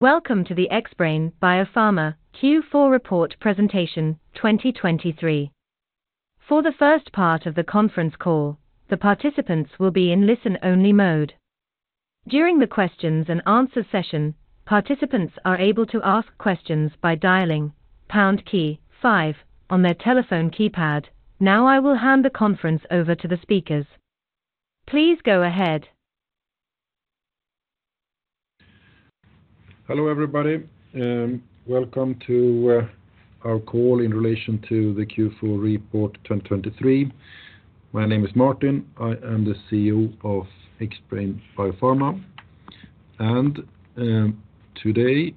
Welcome to the Xbrane Biopharma Q4 Report Presentation 2023. For the first part of the conference call, the participants will be in listen-only mode. During the questions-and-answers session, participants are able to ask questions by dialing pound key five on their telephone keypad. Now I will hand the conference over to the speakers. Please go ahead. Hello everybody, welcome to our call in relation to the Q4 report 2023. My name is Martin, I am the CEO of Xbrane Biopharma, and today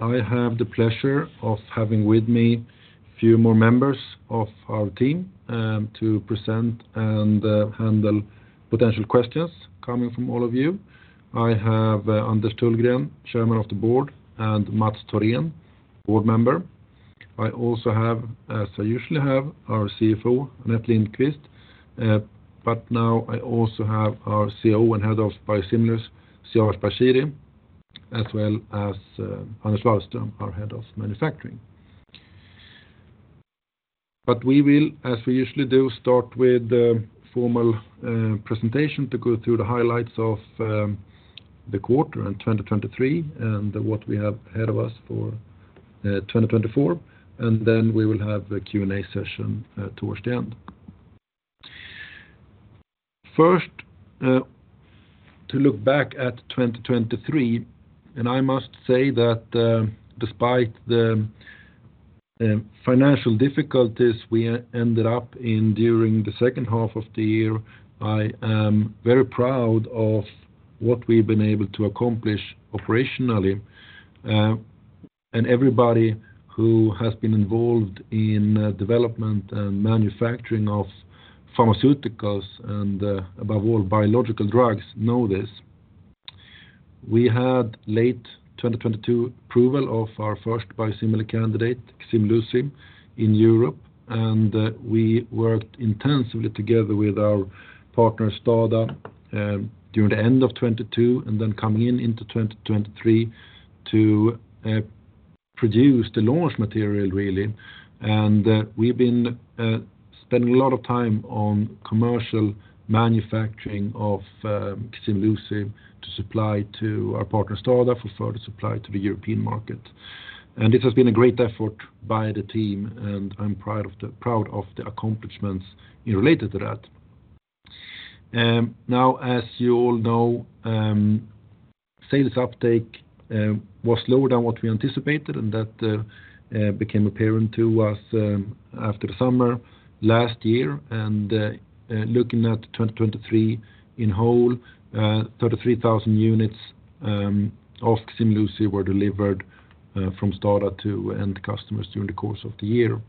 I have the pleasure of having with me a few more members of our team, to present and handle potential questions coming from all of you. I have Anders Tullgren, Chairman of the Board, and Mats Thorén, Board Member. I also have, as I usually have, our CFO, Anette Lindqvist, but now I also have our COO and Head of Biosimilars, Siavash Bashiri, as well as Anders Wallström, our Head of Manufacturing. But we will, as we usually do, start with the formal presentation to go through the highlights of the quarter and 2023 and what we have ahead of us for 2024, and then we will have a Q&A session towards the end. First, to look back at 2023, and I must say that, despite the financial difficulties we ended up in during the second half of the year, I am very proud of what we've been able to accomplish operationally, and everybody who has been involved in development and manufacturing of pharmaceuticals and, above all biological drugs know this. We had late 2022 approval of our first biosimilar candidate, Ximluci, in Europe, and we worked intensively together with our partner STADA, during the end of 2022 and then coming in into 2023 to produce the launch material, really, and we've been spending a lot of time on commercial manufacturing of Ximluci to supply to our partner STADA for further supply to the European market, and this has been a great effort by the team, and I'm proud of the proud of the accomplishments related to that. Now, as you all know, sales uptake was lower than what we anticipated, and that became apparent to us after the summer last year, and looking at 2023 in whole, 33,000 units of Ximluci were delivered from STADA to end customers during the course of the year.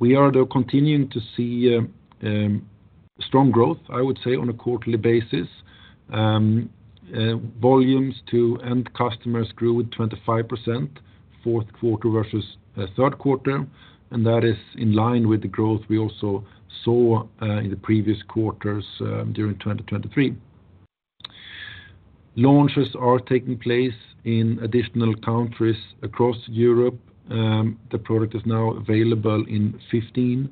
We are, though, continuing to see strong growth, I would say, on a quarterly basis. Volumes to end customers grew with 25% fourth quarter versus third quarter, and that is in line with the growth we also saw in the previous quarters during 2023. Launches are taking place in additional countries across Europe. The product is now available in 15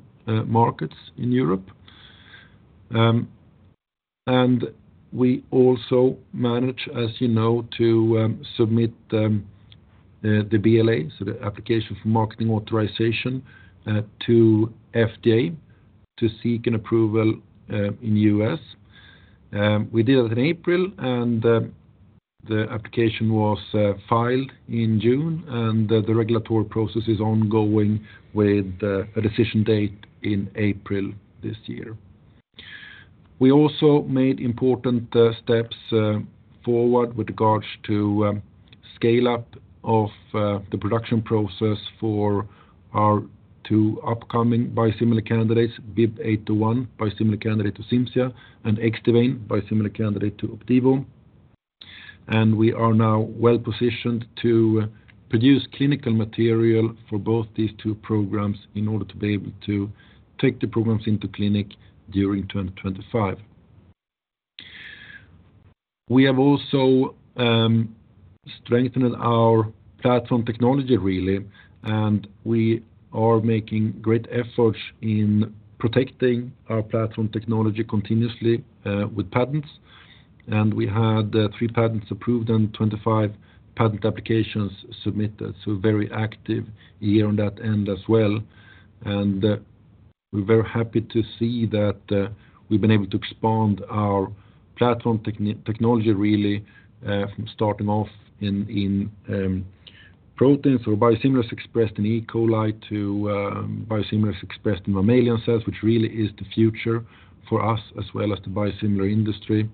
markets in Europe. And we also managed, as you know, to submit the BLA, so the Application for Marketing Authorization, to FDA to seek an approval in the U.S. We did that in April, and the application was filed in June, and the regulatory process is ongoing with a decision date in April this year. We also made important steps forward with regards to scale-up of the production process for our two upcoming biosimilar candidates, BIIB801 biosimilar candidate to Cimzia and Xdivane biosimilar candidate to Opdivo, and we are now well positioned to produce clinical material for both these two programs in order to be able to take the programs into clinic during 2025. We have also strengthened our platform technology, really, and we are making great efforts in protecting our platform technology continuously, with patents, and we had three patents approved and 25 patent applications submitted, so very active year on that end as well, and we're very happy to see that we've been able to expand our platform technology, really, from starting off in proteins or biosimilars expressed in E. coli to biosimilars expressed in mammalian cells, which really is the future for us as well as the biosimilar industry,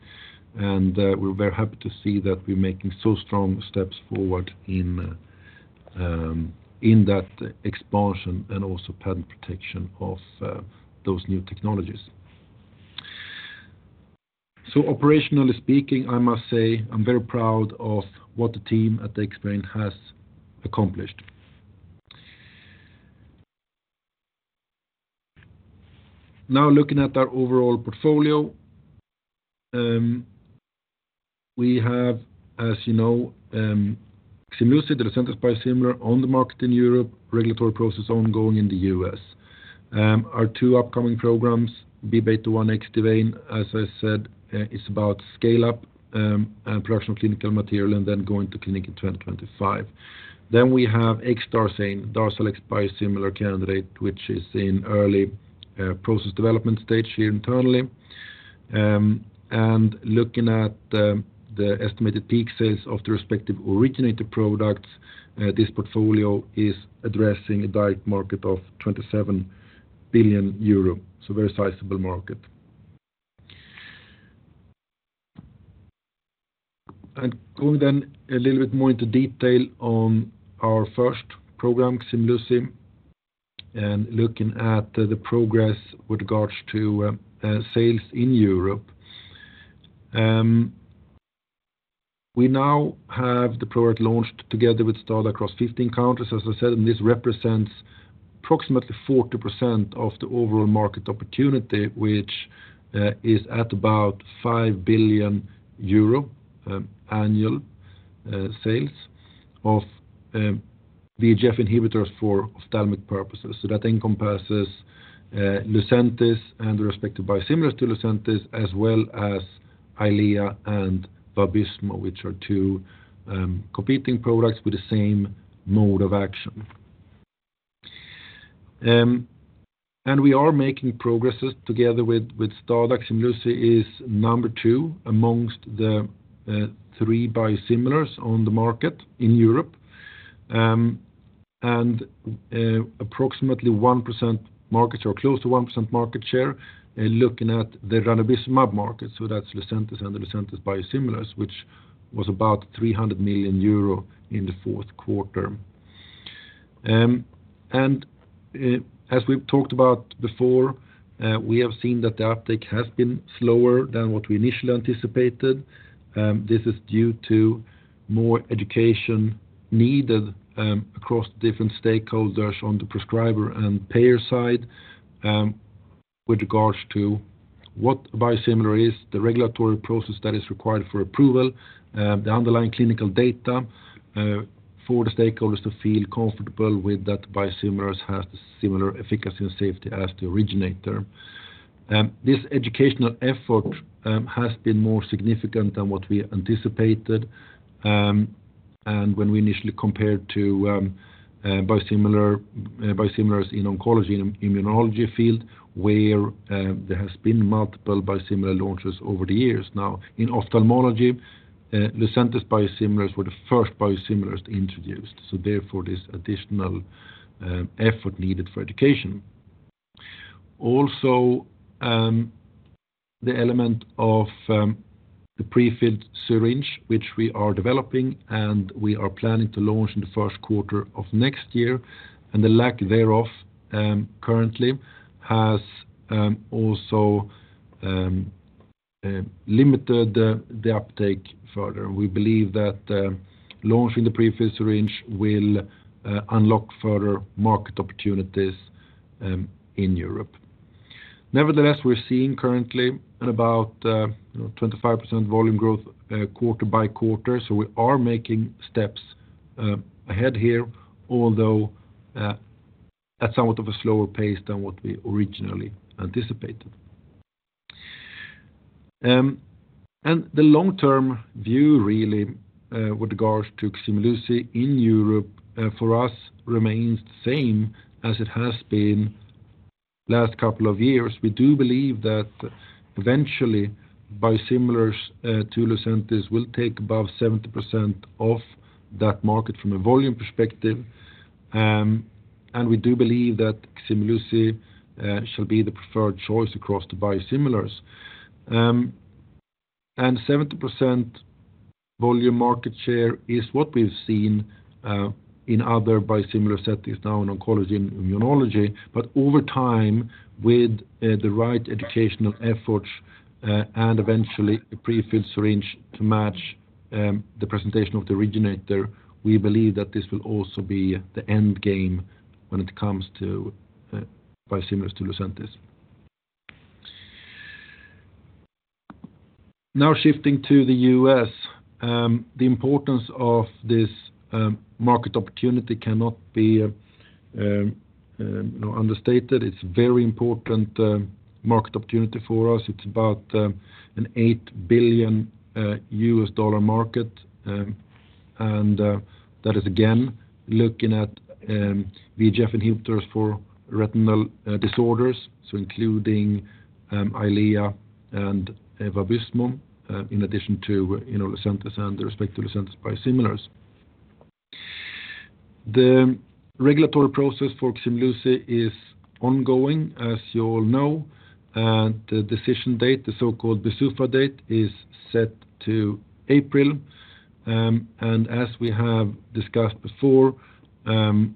and we're very happy to see that we're making so strong steps forward in that expansion and also patent protection of those new technologies. Operationally speaking, I must say I'm very proud of what the team at Xbrane has accomplished. Now looking at our overall portfolio, we have, as you know, Ximluci, the most recent biosimilar, on the market in Europe, regulatory process ongoing in the U.S.. Our two upcoming programs, BIIB801 and Xdivane, as I said, it's about scale-up, and production of clinical material and then going to clinic in 2025. Then we have Xdarzane, Darzalex biosimilar candidate, which is in early, process development stage here internally, and looking at, the estimated peak sales of the respective originator products, this portfolio is addressing a direct market of 27 billion euro, so very sizable market. Going then a little bit more into detail on our first program, Ximluci, and looking at the progress with regards to, sales in Europe. We now have the product launched together with STADA across 15 countries, as I said, and this represents approximately 40% of the overall market opportunity, which is at about 5 billion euro annual sales of VEGF inhibitors for ophthalmic purposes, so that encompasses Lucentis and the respective biosimilars to Lucentis as well as Eylea and Vabysmo, which are two competing products with the same mode of action. We are making progress together with STADA. Ximluci is number two amongst the three biosimilars on the market in Europe, and approximately 1% market share or close to 1% market share, looking at the ranibizumab market, so that's Lucentis and the Lucentis biosimilars, which was about 300 million euro in the fourth quarter. As we've talked about before, we have seen that the uptake has been slower than what we initially anticipated. This is due to more education needed across the different stakeholders on the prescriber and payer side, with regards to what a biosimilar is, the regulatory process that is required for approval, the underlying clinical data, for the stakeholders to feel comfortable with that biosimilars has the similar efficacy and safety as the originator. This educational effort has been more significant than what we anticipated, and when we initially compared to biosimilars in oncology and immunology field where there has been multiple biosimilar launches over the years. Now in ophthalmology, Lucentis biosimilars were the first biosimilars introduced, so therefore this additional effort needed for education. Also, the element of the prefilled syringe, which we are developing and we are planning to launch in the first quarter of next year, and the lack thereof currently has also limited the uptake further. We believe that launching the prefilled syringe will unlock further market opportunities in Europe. Nevertheless, we're seeing currently about, you know, 25% volume growth quarter-over-quarter, so we are making steps ahead here, although at somewhat of a slower pace than what we originally anticipated. The long-term view, really, with regards to Ximluci in Europe, for us remains the same as it has been last couple of years. We do believe that eventually biosimilars to Lucentis will take above 70% of that market from a volume perspective, and we do believe that Ximluci shall be the preferred choice across the biosimilars. 70% volume market share is what we've seen in other biosimilar settings now in oncology and immunology, but over time with the right educational efforts and eventually a prefilled syringe to match the presentation of the originator, we believe that this will also be the end game when it comes to biosimilars to Lucentis. Now shifting to the U.S., the importance of this market opportunity cannot be, you know, understated. It's a very important market opportunity for us. It's about an $8 billion market, and that is again looking at VEGF inhibitors for retinal disorders, so including Eylea and Vabysmo, in addition to, you know, Lucentis and the respective Lucentis biosimilars. The regulatory process for Ximluci is ongoing, as you all know, and the decision date, the so-called BsUFA date, is set to April, and as we have discussed before,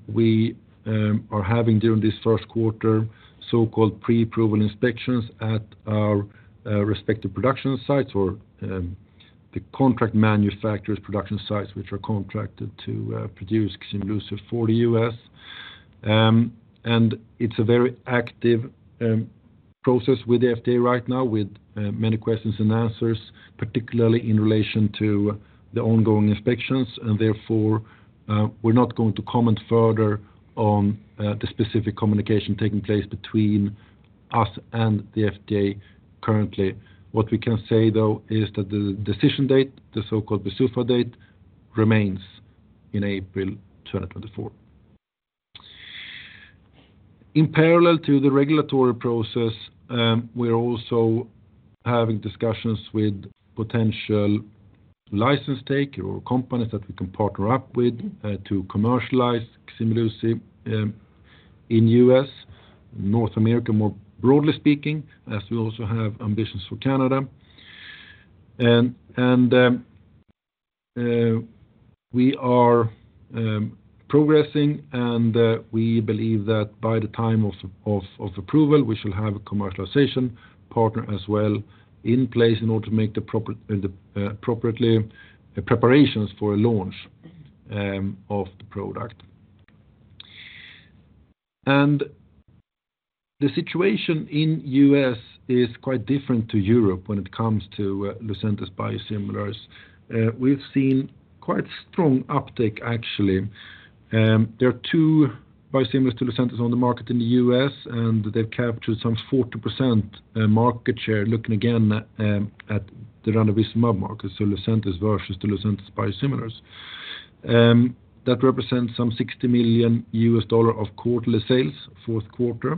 we are having during this first quarter so-called pre-approval inspections at our respective production sites or the contract manufacturers' production sites which are contracted to produce Ximluci for the U.S., and it's a very active process with the FDA right now with many questions and answers, particularly in relation to the ongoing inspections, and therefore, we're not going to comment further on the specific communication taking place between us and the FDA currently. What we can say, though, is that the decision date, the so-called BsUFA date, remains in April 2024. In parallel to the regulatory process, we're also having discussions with potential license taker or companies that we can partner up with, to commercialize Ximluci, in the U.S., North America more broadly speaking, as we also have ambitions for Canada, and we are progressing, and we believe that by the time of approval we shall have a commercialization partner as well in place in order to make the proper preparations for a launch, of the product. And the situation in the U.S. is quite different to Europe when it comes to Lucentis biosimilars. We've seen quite strong uptake, actually. There are two biosimilars to Lucentis on the market in the U.S., and they've captured some 40% market share looking again at the ranibizumab market, so Lucentis versus the Lucentis biosimilars. That represents some $60 million of quarterly sales fourth quarter.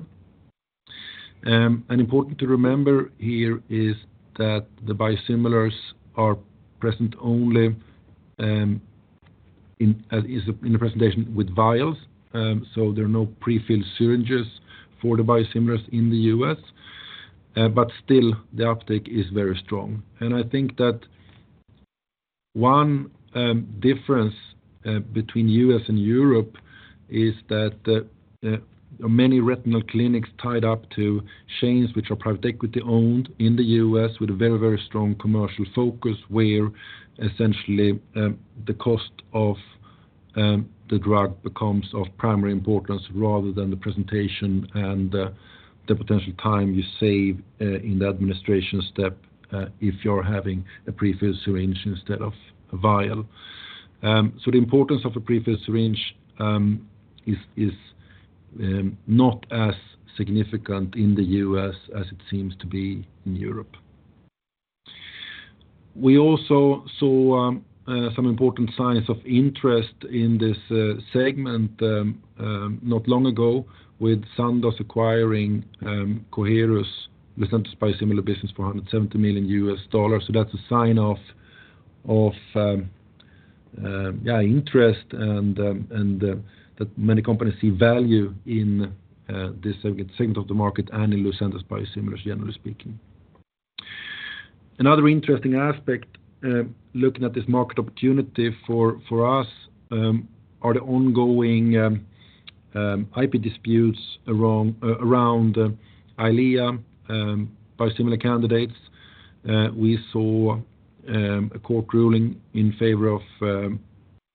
Important to remember here is that the biosimilars are present only in, as is in the presentation with vials, so there are no prefilled syringes for the biosimilars in the U.S., but still the uptake is very strong, and I think that one difference between the U.S. and Europe is that there are many retinal clinics tied up to chains which are private equity owned in the U.S. with a very, very strong commercial focus where essentially the cost of the drug becomes of primary importance rather than the presentation and the potential time you save in the administration step if you're having a prefilled syringe instead of a vial. So the importance of a prefilled syringe is not as significant in the U.S. as it seems to be in Europe. We also saw some important signs of interest in this segment not long ago with Sandoz acquiring Coherus Lucentis biosimilar business for $170 million, so that's a sign of, of, yeah, interest and, and, that many companies see value in this segment of the market and in Lucentis biosimilars generally speaking. Another interesting aspect looking at this market opportunity for us are the ongoing IP disputes around Eylea biosimilar candidates. We saw a court ruling in favor of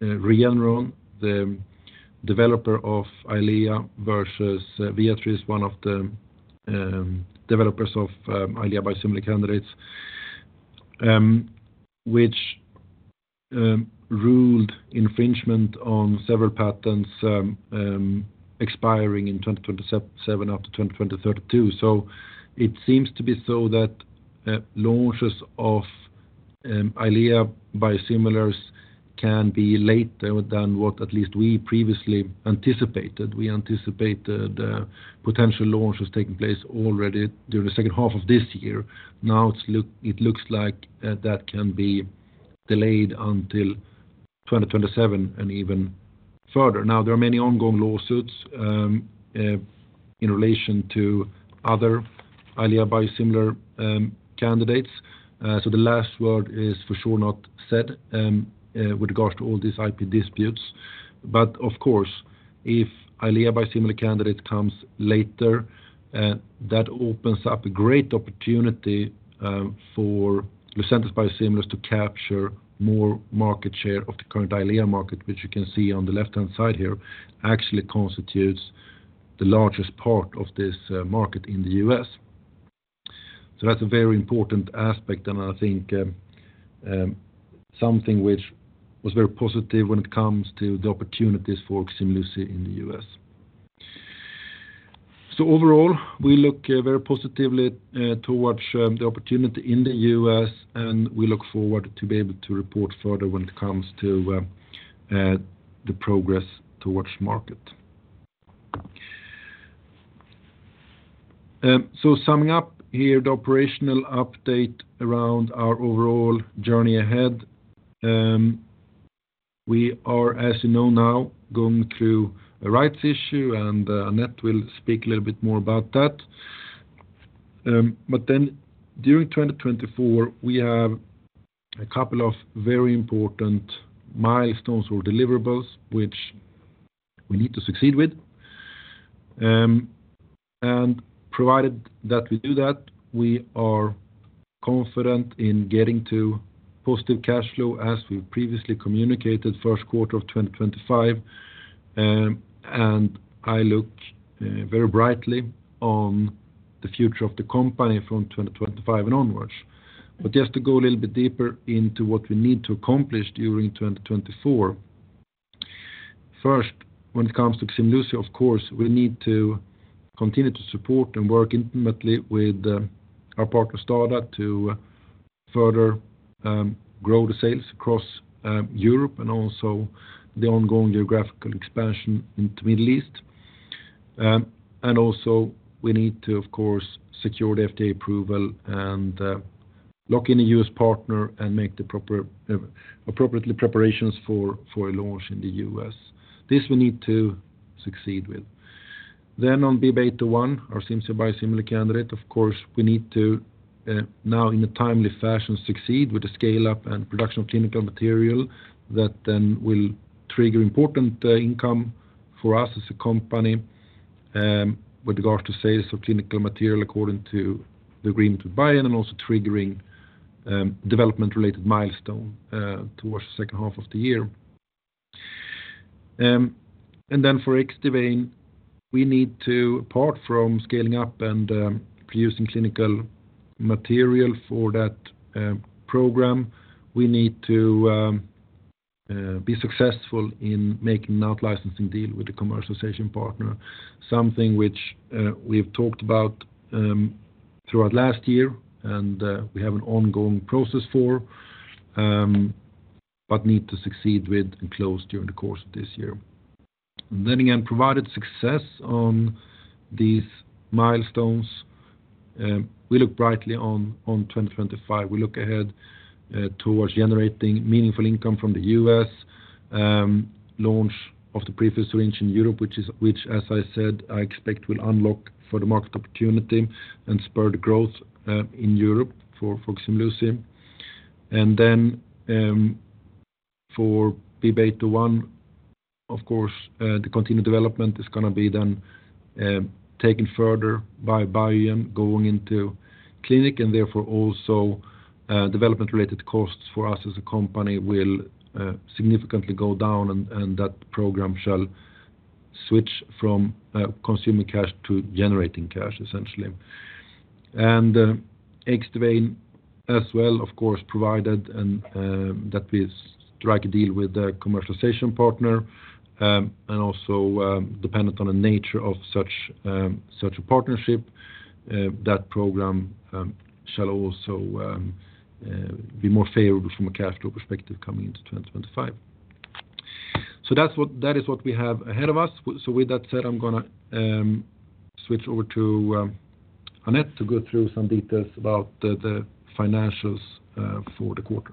Regeneron, the developer of Eylea versus Viatris, one of the developers of Eylea biosimilar candidates, which ruled infringement on several patents expiring in 2027-2032. So it seems to be so that launches of Eylea biosimilars can be later than what at least we previously anticipated. We anticipated potential launches taking place already during the second half of this year. Now it looks like that can be delayed until 2027 and even further. Now there are many ongoing lawsuits in relation to other Eylea biosimilar candidates, so the last word is for sure not said with regards to all these IP disputes. But of course, if Eylea biosimilar candidate comes later, that opens up a great opportunity for Lucentis biosimilars to capture more market share of the current Eylea market, which you can see on the left-hand side here actually constitutes the largest part of this market in the U.S. So that's a very important aspect and I think something which was very positive when it comes to the opportunities for Ximluci in the U.S. So overall we look very positively towards the opportunity in the U.S. and we look forward to be able to report further when it comes to the progress towards market. Summing up here the operational update around our overall journey ahead, we are, as you know now, going through a rights issue and Anette will speak a little bit more about that. But then during 2024 we have a couple of very important milestones or deliverables which we need to succeed with, and provided that we do that we are confident in getting to positive cash flow as we've previously communicated first quarter of 2025, and I look very brightly on the future of the company from 2025 and onwards. But just to go a little bit deeper into what we need to accomplish during 2024, first when it comes to Ximluci, of course, we need to continue to support and work intimately with our partner STADA to further grow the sales across Europe and also the ongoing geographical expansion into the Middle East, and also we need to, of course, secure the FDA approval and lock in a U.S. partner and make the proper, appropriate preparations for a launch in the U.S. This we need to succeed with. Then on BIIB801, our Xcimzane biosimilar candidate, of course, we need to now in a timely fashion succeed with the scale-up and production of clinical material that then will trigger important income for us as a company with regards to sales of clinical material according to the agreement with Biogen and also triggering development-related milestone towards the second half of the year. And then for Xdivane, we need to apart from scaling up and producing clinical material for that program, we need to be successful in making an outlicensing deal with the commercialization partner, something which we've talked about throughout last year and we have an ongoing process for, but need to succeed with and close during the course of this year. And then again, provided success on these milestones, we look brightly on 2025. We look ahead towards generating meaningful income from the U.S. launch of the prefilled syringe in Europe, which, as I said, I expect will unlock for the market opportunity and spur the growth in Europe for Ximluci. And then, for BIIB801, of course, the continued development is going to be taken further by Biogen, going into clinic and therefore also development-related costs for us as a company will significantly go down and that program shall switch from consuming cash to generating cash, essentially. And Xdivane as well, of course, provided that we strike a deal with the commercialization partner, and also dependent on the nature of such a partnership, that program shall also be more favorable from a cash flow perspective coming into 2025. So that's what we have ahead of us. So with that said, I'm going to switch over to Anette to go through some details about the financials for the quarter.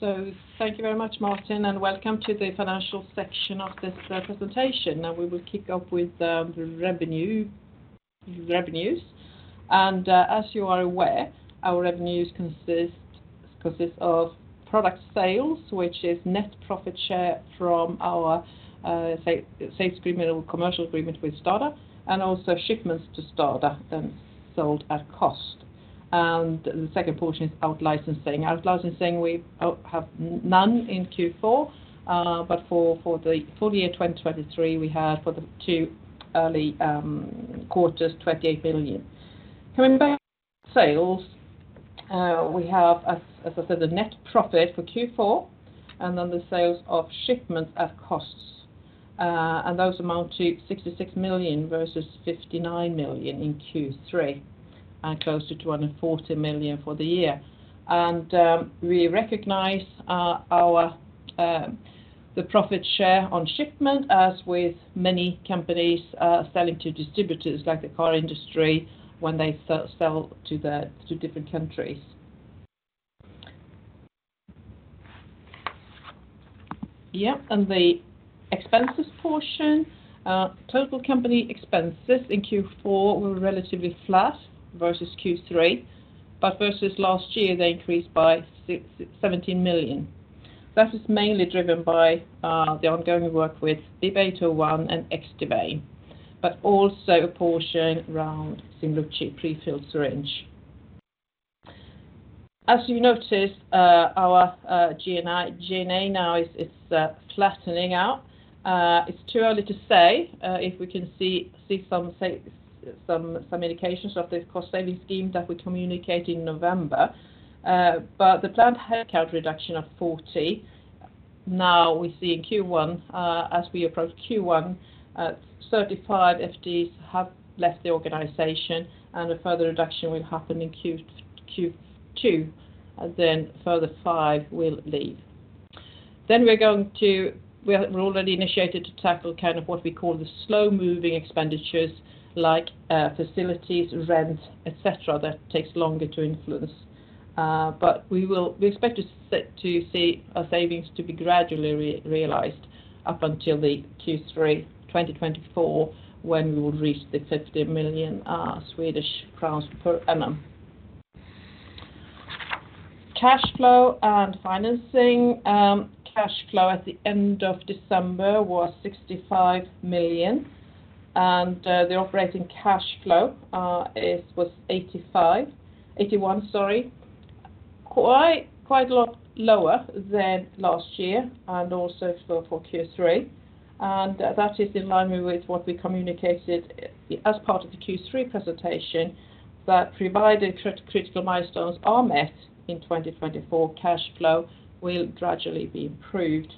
So thank you very much, Martin, and welcome to the financial section of this presentation. Now we will kick off with the revenues, and as you are aware, our revenues consist of product sales, which is net profit share from our sales agreement or commercial agreement with STADA, and also shipments to STADA then sold at cost. And the second portion is outlicensing. Outlicensing, we have none in Q4, but for the year 2023 we had for the two early quarters 28 million. Coming back to sales, we have, as I said, the net profit for Q4 and then the sales of shipments at costs, and those amount to 66 million versus 59 million in Q3 and closer to 140 million for the year. And we recognize our profit share on shipment as with many companies, selling to distributors like the car industry when they sell to the different countries. Yep, and the expenses portion, total company expenses in Q4 were relatively flat versus Q3, but versus last year they increased by 17 million. That is mainly driven by the ongoing work with BIIB801 and Xdivane, but also a portion around Ximluci prefilled syringe. As you notice, our R&D, G&A now is flattening out. It's too early to say if we can see some indications of this cost savings scheme that we communicate in November, but the planned headcount reduction of 40, now we see in Q1, as we approach Q1, 35 FTEs have left the organization and a further reduction will happen in Q2 and then further 5 will leave. Then we're already initiated to tackle kind of what we call the slow-moving expenditures like facilities, rents, etc., that takes longer to influence, but we expect to see our savings to be gradually realized up until Q3 2024 when we will reach 50 million Swedish crowns per annum. Cash flow and financing. Cash flow at the end of December was 65 million, and the operating cash flow was 81 million, sorry, quite a lot lower than last year and also for Q3, and that is in line with what we communicated as part of the Q3 presentation that provided critical milestones are met in 2024 cash flow will gradually be improved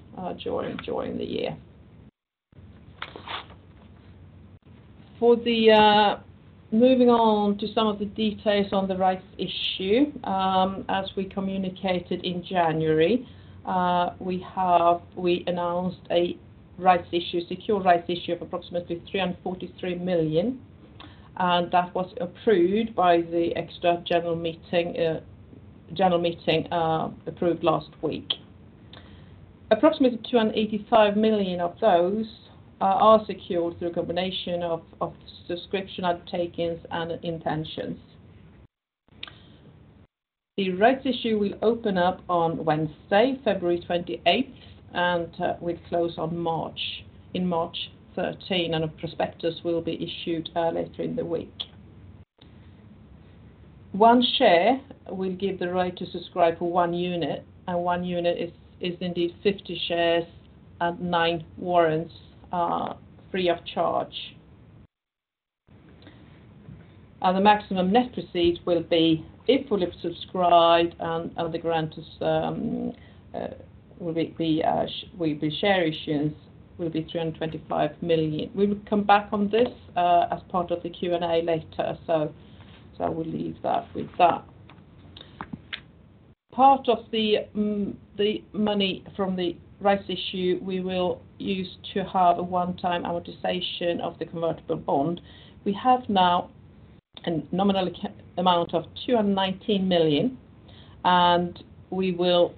during the year. Moving on to some of the details on the rights issue, as we communicated in January, we announced a secured rights issue of approximately 343 million, and that was approved by the extra general meeting last week. Approximately 285 million of those are secured through a combination of subscription undertakings and intentions. The rights issue will open up on Wednesday, February 28th, and will close on March 13th, and a prospectus will be issued later in the week. One share will give the right to subscribe for one unit and one unit is indeed 50 shares and 9 warrants, free of charge. The maximum net receipt will be, if we subscribe and the grant is, the share issuance will be 325 million. We will come back on this as part of the Q&A later, so I will leave that with that. Part of the money from the rights issue we will use to have a one-time amortization of the convertible bond. We have now a nominal amount of 219 million and we will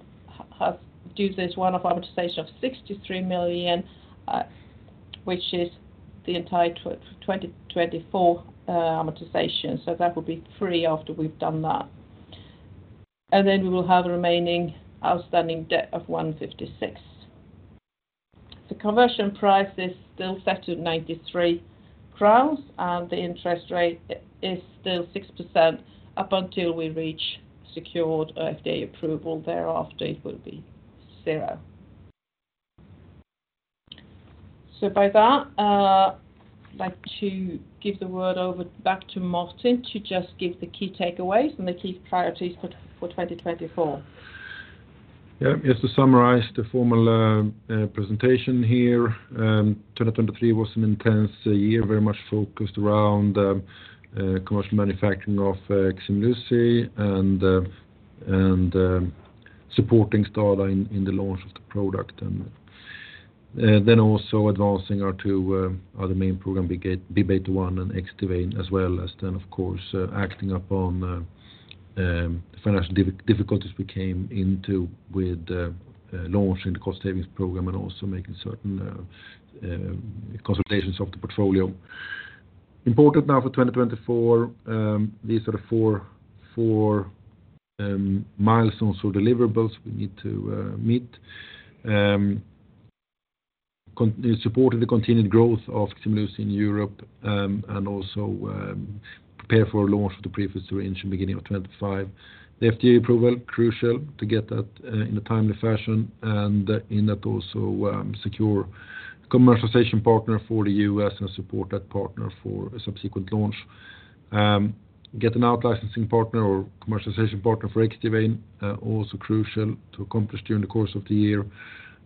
have to do this one-off amortization of 63 million, which is the entire 2024 amortization, so that will be free after we've done that. And then we will have the remaining outstanding debt of 156 million. The conversion price is still set at 93 crowns and the interest rate is still 6% up until we reach secured FDA approval. Thereafter it will be zero. So by that, I'd like to give the word over back to Martin to just give the key takeaways and the key priorities for 2024. Yep, just to summarize the formal presentation here, 2023 was an intense year, very much focused around commercial manufacturing of Ximluci and supporting STADA in the launch of the product and then also advancing our two other main program, B beta one and Xdivane, as well as then, of course, acting upon the financial difficulties we came into with launching the cost savings program and also making certain consolidations of the portfolio. Important now for 2024, these are the four milestones or deliverables we need to meet: supporting the continued growth of Ximluci in Europe, and also prepare for a launch of the prefilled syringe in the beginning of 2025. The FDA approval, crucial to get that in a timely fashion and in that also secure commercialization partner for the U.S. and support that partner for a subsequent launch. Get an outlicensing partner or commercialization partner for Xdivane, also crucial to accomplish during the course of the year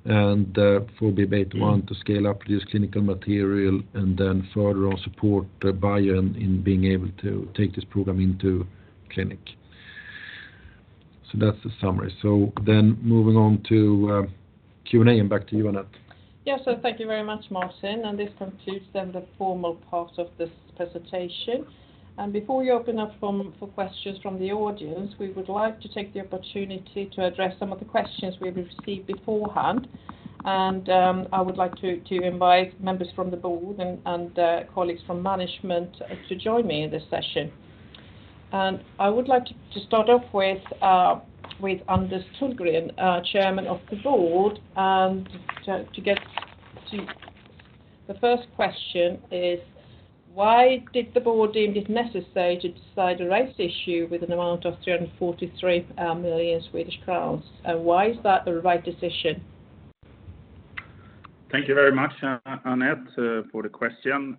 and, for B beta one to scale up, produce clinical material, and then further on support Biogen in being able to take this program into clinic. So that's the summary. So then moving on to Q&A and back to you, Anette. Yeah, so thank you very much, Martin, and this concludes then the formal part of this presentation. Before we open up for questions from the audience, we would like to take the opportunity to address some of the questions we've received beforehand and I would like to invite members from the board and colleagues from management to join me in this session. I would like to start off with Anders Tullgren, chairman of the board, and to get to the first question is why did the board deem it necessary to decide a rights issue with an amount of 343 million Swedish crowns and why is that the right decision? Thank you very much, Anette, for the question.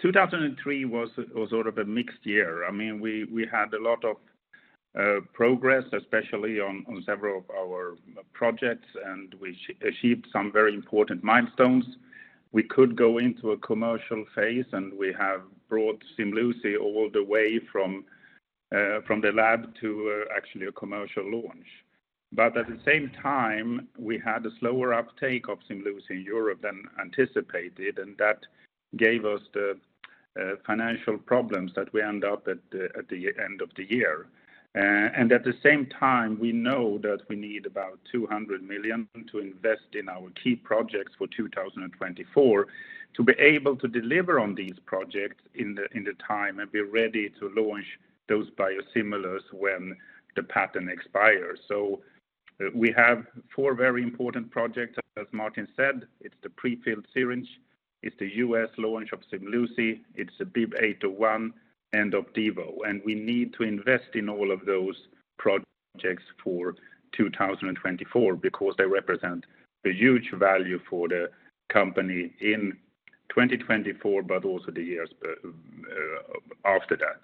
2003 was sort of a mixed year. I mean, we had a lot of progress, especially on several of our projects, and we achieved some very important milestones. We could go into a commercial phase, and we have brought Ximluci all the way from the lab to actually a commercial launch. But at the same time, we had a slower uptake of Ximluci in Europe than anticipated, and that gave us the financial problems that we end up at the end of the year. And at the same time, we know that we need about 200 million to invest in our key projects for 2024 to be able to deliver on these projects in the time and be ready to launch those biosimilars when the patent expires. So, we have four very important projects, as Martin said. It's the prefilled syringe. It's the U.S. launch of Ximluci. It's the B beta one and Xdivane. And we need to invest in all of those projects for 2024 because they represent a huge value for the company in 2024 but also the years after that.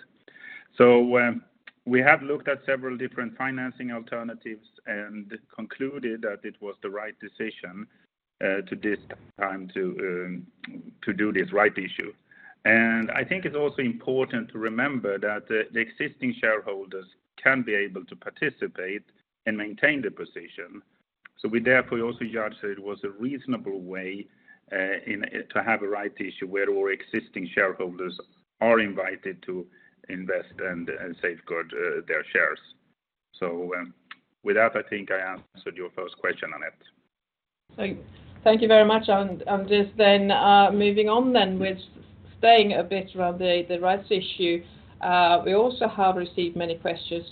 So, we have looked at several different financing alternatives and concluded that it was the right decision to this time to do this rights issue. And I think it's also important to remember that the existing shareholders can be able to participate and maintain the position. So we therefore also judged that it was a reasonable way in to have a rights issue where our existing shareholders are invited to invest and safeguard their shares. So, with that, I think I answered your first question, Anette. So thank you very much. And just then, moving on then with staying a bit around the rights issue, we also have received many questions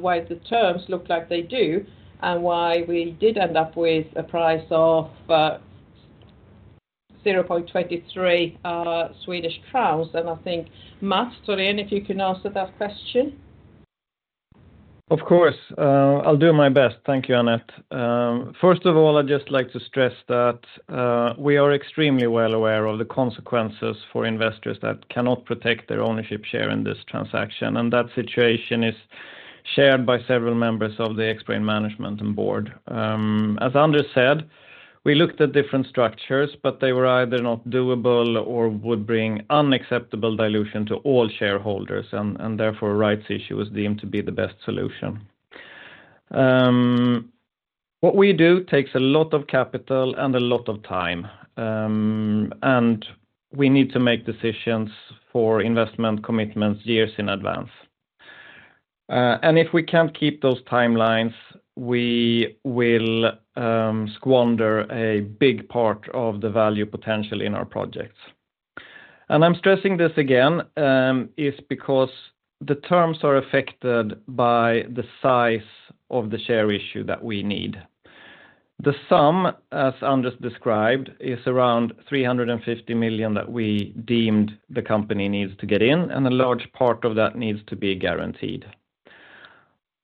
why the terms look like they do and why we did end up with a price of 0.23 Swedish crowns. And I think, Mats Thorén, if you can answer that question. Of course. I'll do my best. Thank you, Anette. First of all, I'd just like to stress that we are extremely well aware of the consequences for investors that cannot protect their ownership share in this transaction, and that situation is shared by several members of the Xbrane management and board. As Anders said, we looked at different structures, but they were either not doable or would bring unacceptable dilution to all shareholders, and therefore a rights issue was deemed to be the best solution. What we do takes a lot of capital and a lot of time, and we need to make decisions for investment commitments years in advance. And if we can't keep those timelines, we will squander a big part of the value potential in our projects. And I'm stressing this again, is because the terms are affected by the size of the share issue that we need. The sum, as Anders described, is around 350 million that we deemed the company needs to get in, and a large part of that needs to be guaranteed.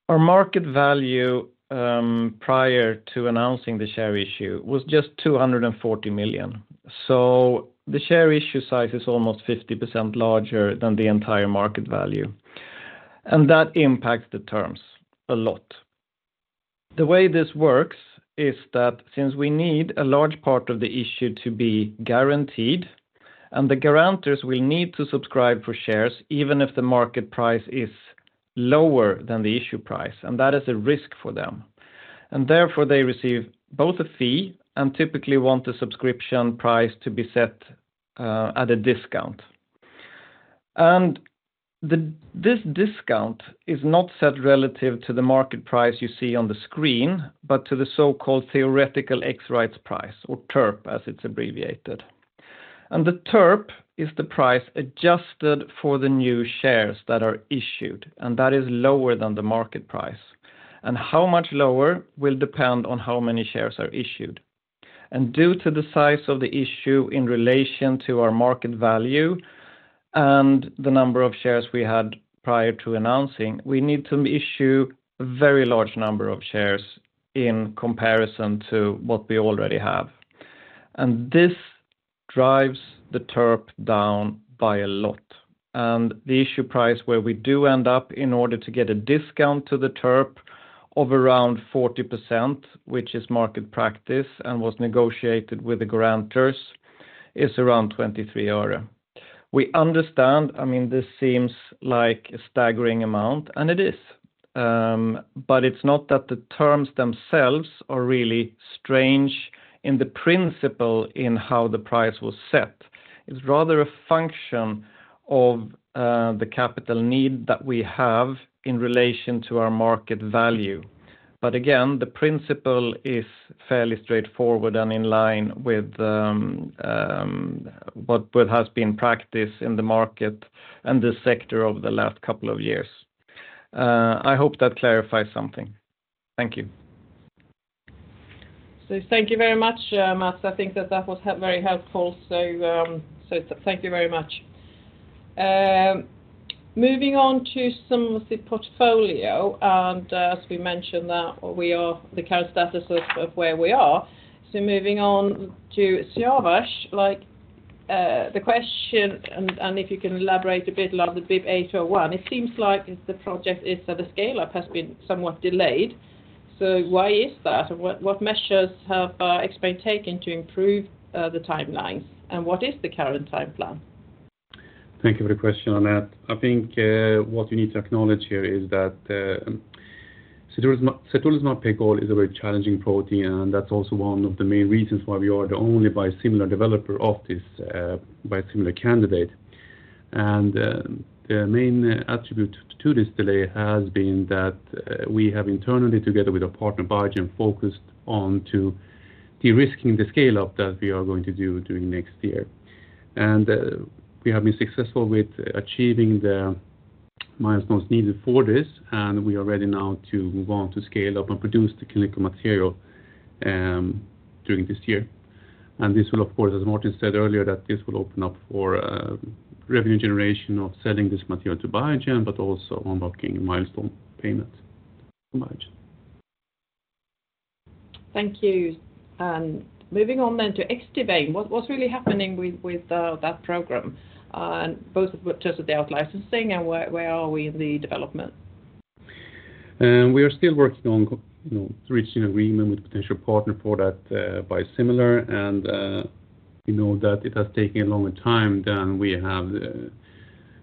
Our market value, prior to announcing the share issue was just 240 million. So the share issue size is almost 50% larger than the entire market value, and that impacts the terms a lot. The way this works is that since we need a large part of the issue to be guaranteed, and the guarantors will need to subscribe for shares even if the market price is lower than the issue price, and that is a risk for them. And therefore they receive both a fee and typically want the subscription price to be set at a discount. This discount is not set relative to the market price you see on the screen but to the so-called theoretical ex-rights price or TERP as it's abbreviated. The TERP is the price adjusted for the new shares that are issued, and that is lower than the market price. How much lower will depend on how many shares are issued. Due to the size of the issue in relation to our market value and the number of shares we had prior to announcing, we need to issue a very large number of shares in comparison to what we already have. This drives the TERP down by a lot. The issue price where we do end up in order to get a discount to the TERP of around 40%, which is market practice and was negotiated with the guarantors, is around SEK 0.23. We understand, I mean, this seems like a staggering amount, and it is. But it's not that the terms themselves are really strange in the principle in how the price was set. It's rather a function of the capital need that we have in relation to our market value. But again, the principle is fairly straightforward and in line with what has been practice in the market and the sector over the last couple of years. I hope that clarifies something. Thank you. So thank you very much, Mats. I think that that was very helpful. So, so thank you very much. Moving on to some of the portfolio and, as we mentioned that we are the current status of of where we are. So moving on to Siavash, like, the question and if you can elaborate a bit about the B beta one, it seems like the project is that the scale-up has been somewhat delayed. So why is that? And what measures have Xbrane taken to improve the timelines? And what is the current timeline? Thank you for the question, Anette. I think what you need to acknowledge here is that certolizumab pegol is a very challenging protein, and that's also one of the main reasons why we are the only biosimilar developer of this biosimilar candidate. And the main attribute to this delay has been that we have internally, together with our partner Biogen, focused on de-risking the scale-up that we are going to do during next year. We have been successful with achieving the milestones needed for this, and we are ready now to move on to scale-up and produce the clinical material, during this year. This will, of course, as Martin said earlier, open up for revenue generation of selling this material to Biogen but also unlocking milestone payment for Biogen. Thank you. Moving on then to Xdivane, what's really happening with that program, both in terms of the outlicensing and where are we in the development? We are still working on, you know, reaching agreement with a potential partner for that biosimilar, and we know that it has taken a longer time than we have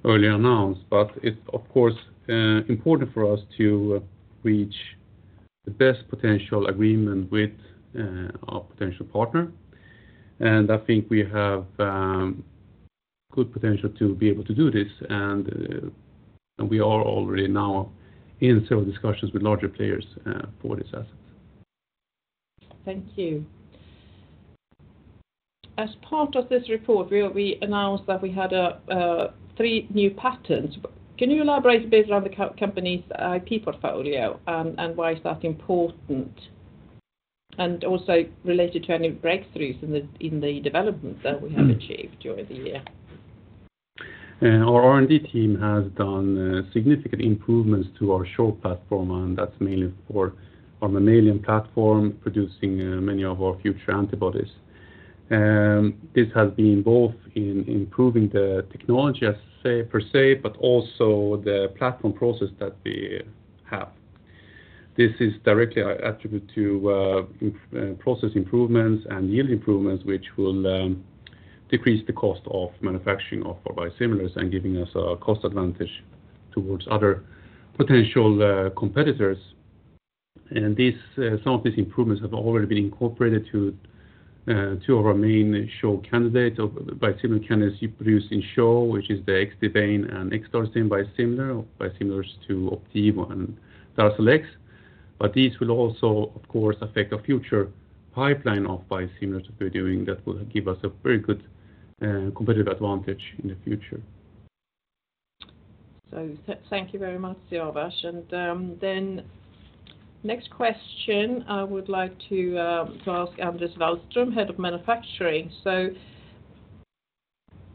earlier announced. But it's, of course, important for us to reach the best potential agreement with our potential partner. I think we have good potential to be able to do this, and we are already now in several discussions with larger players for this asset. Thank you. As part of this report, we announced that we had three new patents. Can you elaborate a bit around the company's IP portfolio and why is that important and also related to any breakthroughs in the development that we have achieved during the year? Our R&D team has done significant improvements to our CHO platform, and that's mainly for our mammalian platform producing many of our future antibodies. This has been both in improving the technology per se but also the platform process that we have. This is directly attributed to process improvements and yield improvements, which will decrease the cost of manufacturing of our biosimilars and giving us a cost advantage towards other potential competitors. Some of these improvements have already been incorporated to 2 of our main CHO candidates, biosimilar candidates produced in CHO, which is the Xdivane and Xdarzane biosimilars, biosimilars to Opdivo and Darzalex. These will also, of course, affect our future pipeline of biosimilars that we're doing that will give us a very good, competitive advantage in the future. So thank you very much, Siavash. Then next question, I would like to ask Anders Wallström, head of manufacturing. So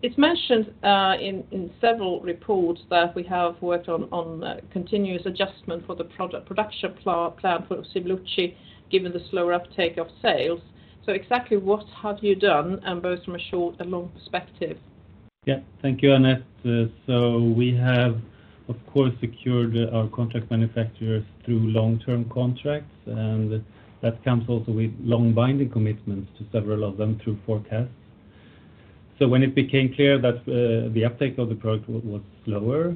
it's mentioned in several reports that we have worked on continuous adjustment for the production plan for Ximluci given the slower uptake of sales. So exactly what have you done, both from a short and long perspective? Yeah, thank you, Anette. So we have, of course, secured our contract manufacturers through long-term contracts, and that comes also with long-binding commitments to several of them through forecasts. So when it became clear that the uptake of the product was slower,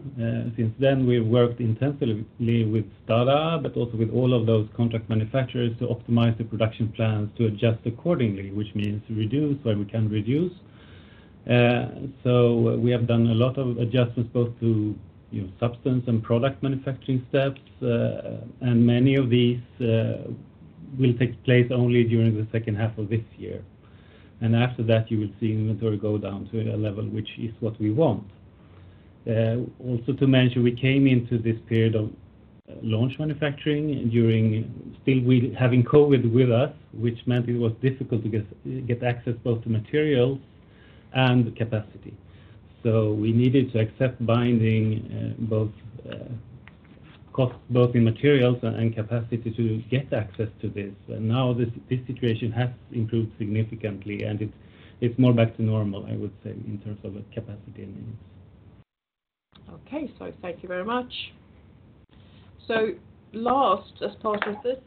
since then we've worked intensively with STADA but also with all of those contract manufacturers to optimize the production plans to adjust accordingly, which means reduce where we can reduce. So we have done a lot of adjustments both to, you know, substance and product manufacturing steps, and many of these will take place only during the second half of this year. And after that, you will see inventory go down to a level which is what we want. Also, to mention, we came into this period of launch manufacturing during still having COVID with us, which meant it was difficult to get access both to materials and capacity. So we needed to accept binding both costs both in materials and capacity to get access to this. And now this situation has improved significantly, and it's more back to normal, I would say, in terms of capacity and needs. Okay. So thank you very much. So last, as part of this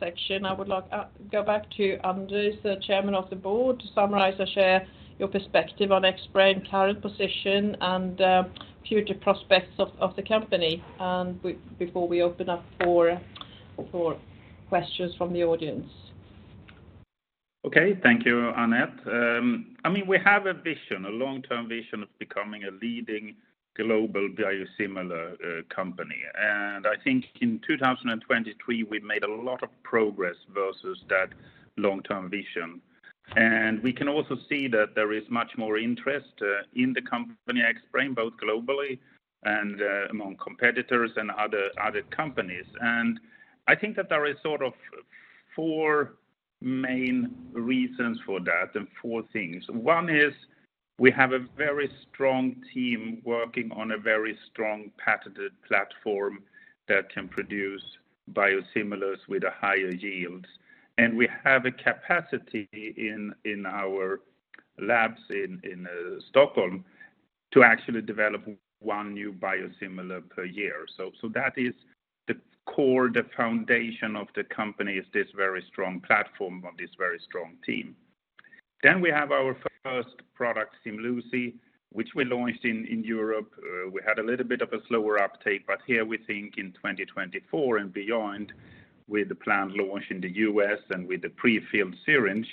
section, I would like to go back to Anders, Chairman of the Board, to summarize and share your perspective on Xbrane's current position and future prospects of the company before we open up for questions from the audience. Okay. Thank you, Anette. I mean, we have a vision, a long-term vision of becoming a leading global biosimilar company. And I think in 2023, we made a lot of progress versus that long-term vision. And we can also see that there is much more interest in the company Xbrane, both globally and among competitors and other companies. And I think that there are sort of four main reasons for that and four things. One is we have a very strong team working on a very strong patented platform that can produce biosimilars with a higher yield. And we have a capacity in our labs in Stockholm to actually develop one new biosimilar per year. So that is the core, the foundation of the company, is this very strong platform of this very strong team. Then we have our first product, Ximluci, which we launched in Europe. We had a little bit of a slower uptake, but here we think in 2024 and beyond, with the planned launch in the U.S. and with the prefilled syringe,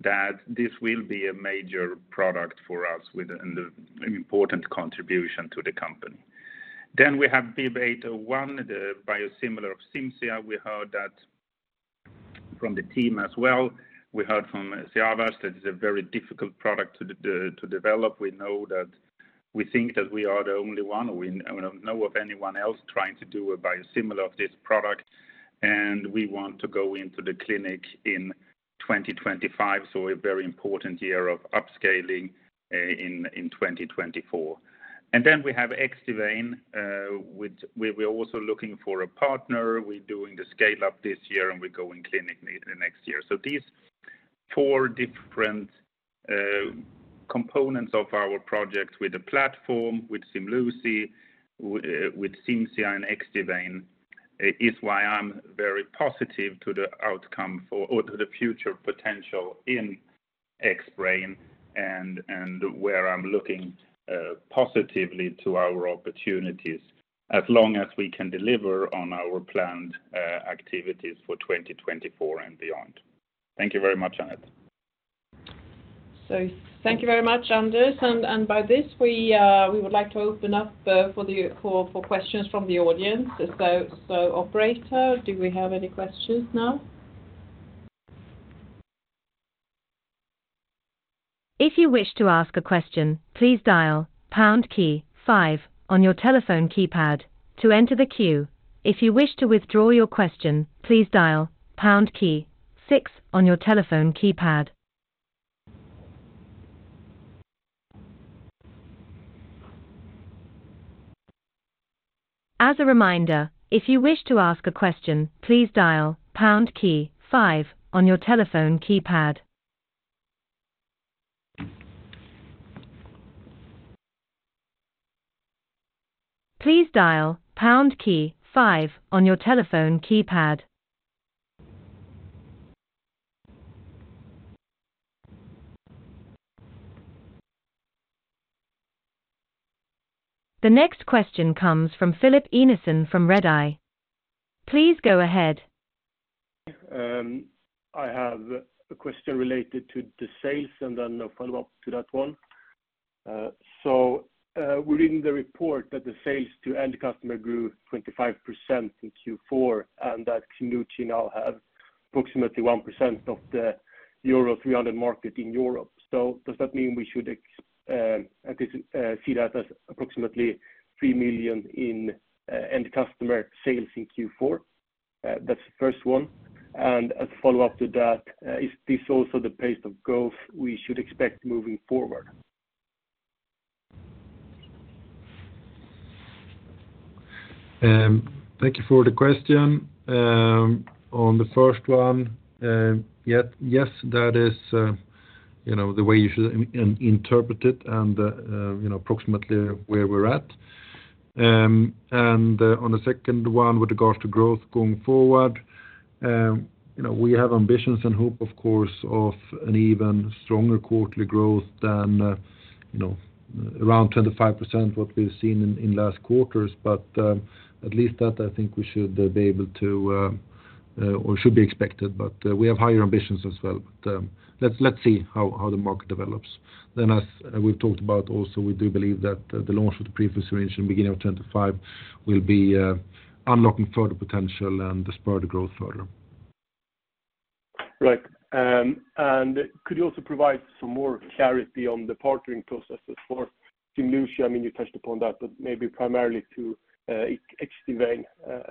that this will be a major product for us and an important contribution to the company. Then we have BIIB801, the biosimilar of Cimzia. We heard that from the team as well. We heard from Siavash that it's a very difficult product to develop. We know that we think that we are the only one, or we don't know of anyone else trying to do a biosimilar of this product, and we want to go into the clinic in 2025, so a very important year of upscaling in 2024. Then we have Xdivane. We're also looking for a partner. We're doing the scale-up this year, and we're going clinic next year. So these four different components of our project with the platform, with Ximluci, with Cimzia, and Xdivane, is why I'm very positive to the outcome or to the future potential in Xbrane and where I'm looking positively to our opportunities as long as we can deliver on our planned activities for 2024 and beyond. Thank you very much, Anette. So thank you very much, Anders. And by this, we would like to open up for questions from the audience. So operator, do we have any questions now? If you wish to ask a question, please dial pound key five on your telephone keypad to enter the queue. If you wish to withdraw your question, please dial pound key six on your telephone keypad. As a reminder, if you wish to ask a question, please dial pound key five on your telephone keypad. Please dial pound key five on your telephone keypad. The next question comes from Filip Einarsson from Redeye. Please go ahead. I have a question related to the sales and then a follow-up to that one. So we're reading the report that the sales to end customer grew 25% in Q4 and that Ximluci now has approximately 1% of the euro 300 million market in Europe. So does that mean we should see that as approximately 3 million in end customer sales in Q4? That's the first one. And as a follow-up to that, is this also the pace of growth we should expect moving forward? Thank you for the question. On the first one, yes, that is the way you should interpret it and approximately where we're at. And on the second one, with regards to growth going forward, we have ambitions and hope, of course, of an even stronger quarterly growth than around 25% what we've seen in last quarters. But at least that, I think, we should be able to or should be expected. But we have higher ambitions as well. But let's see how the market develops. Then, as we've talked about also, we do believe that the launch of the prefilled syringe in the beginning of 2025 will be unlocking further potential and spurring the growth further. Right. Could you also provide some more clarity on the partnering processes for Ximluci? I mean, you touched upon that, but maybe primarily to Xdivane.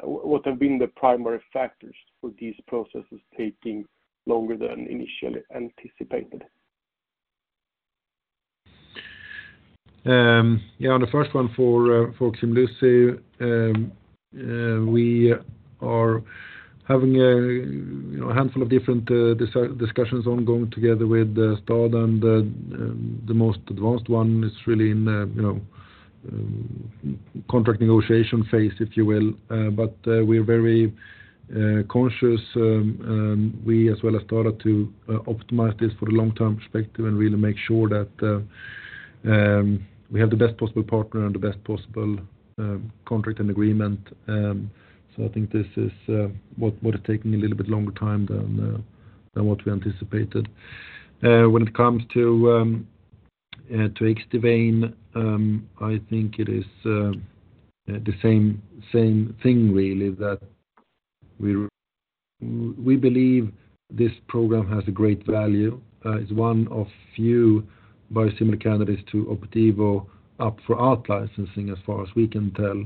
What have been the primary factors for these processes taking longer than initially anticipated? Yeah, on the first one for Ximluci, we are having a handful of different discussions ongoing together with STADA. And the most advanced one is really in the contract negotiation phase, if you will. But we're very conscious, we as well as STADA, to optimize this for the long-term perspective and really make sure that we have the best possible partner and the best possible contract and agreement. So I think this is what is taking a little bit longer time than what we anticipated. When it comes to Xdivane, I think it is the same thing, really, that we believe this program has a great value. It's one of few biosimilar candidates to Opdivo up for outlicensing, as far as we can tell.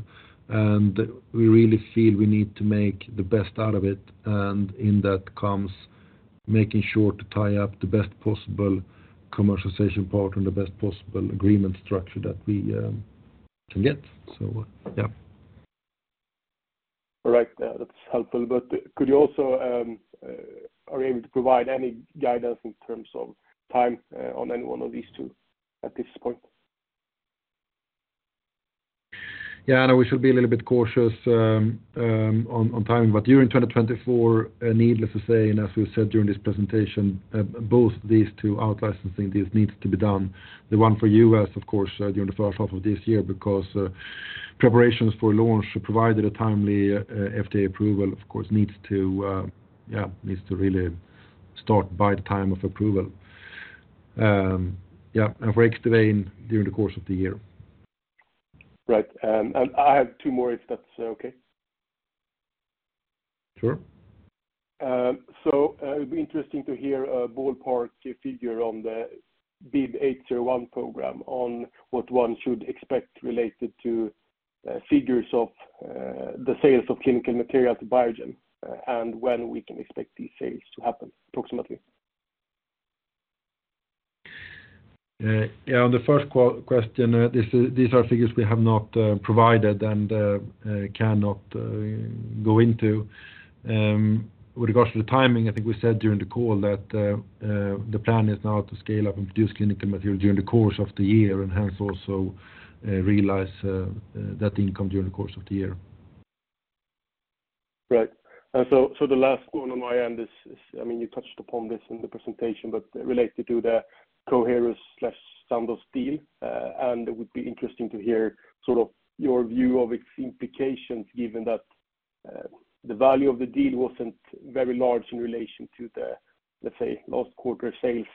We really feel we need to make the best out of it. In that comes making sure to tie up the best possible commercialization part and the best possible agreement structure that we can get. So yeah. All right. That's helpful. But could you also, are you able to provide any guidance in terms of time on any one of these two at this point? Yeah, Anna, we should be a little bit cautious on timing. But during 2024, needless to say, and as we said during this presentation, both these two outlicensing, these needs to be done. The one for the U.S., of course, during the first half of this year because preparations for launch provided a timely FDA approval, of course, needs to yeah, needs to really start by the time of approval. Yeah. And for Xdivane, during the course of the year. Right. And I have two more if that's okay. Sure. So it'd be interesting to hear a ballpark figure on the BIIB801 program on what one should expect related to figures of the sales of clinical material to Biogen and when we can expect these sales to happen, approximately. Yeah. On the first question, these are figures we have not provided and cannot go into. With regards to the timing, I think we said during the call that the plan is now to scale up and produce clinical material during the course of the year and hence also realize that income during the course of the year. Right. And so the last one on my end is, I mean, you touched upon this in the presentation, but related to the Coherus/Sandoz deal. And it would be interesting to hear sort of your view of its implications given that the value of the deal wasn't very large in relation to the, let's say, last quarter sales.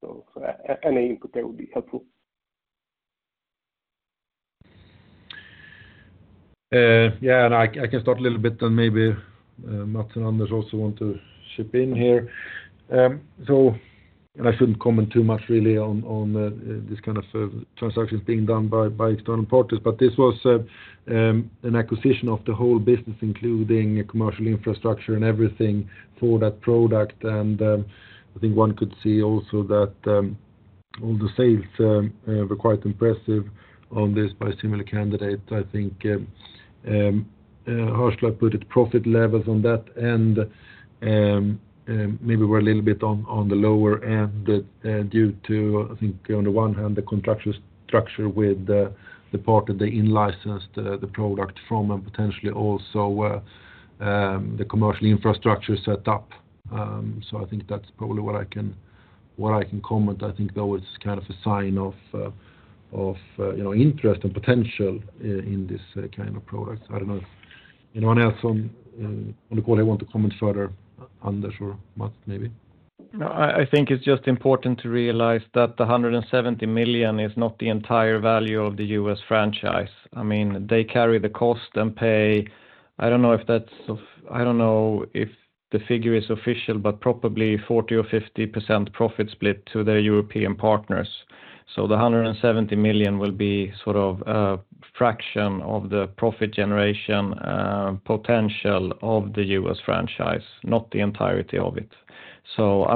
So any input there would be helpful. Yeah. And I can start a little bit and maybe Mats and Anders also want to chip in here. And I shouldn't comment too much, really, on this kind of transactions being done by external parties. But this was an acquisition of the whole business, including commercial infrastructure and everything, for that product. And I think one could see also that all the sales were quite impressive on this biosimilar candidate. I think, how should I put it, profit levels on that end maybe were a little bit on the lower end due to, I think, on the one hand, the contractual structure with the part that they inlicensed the product from and potentially also the commercial infrastructure set up. So I think that's probably what I can comment. I think, though, it's kind of a sign of interest and potential in this kind of product. I don't know if anyone else on the call here wants to comment further, Anders or Mats, maybe. No, I think it's just important to realize that the $170 million is not the entire value of the U.S. franchise. I mean, they carry the cost and pay. I don't know if that's—I don't know if the figure is official, but probably 40% or 50% profit split to their European partners. So the 170 million will be sort of a fraction of the profit generation potential of the U.S. franchise, not the entirety of it. So